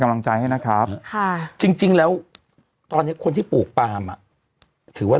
กำลังใจให้นะครับค่ะจริงแล้วตอนนี้คนที่ปลูกปลามอ่ะถือว่า